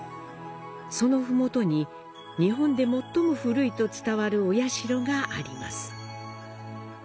その麓に日本で最も古いと伝わるお社があります。